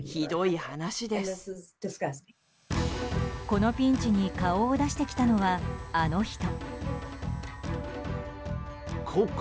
このピンチに顔を出してきたのは、あの人。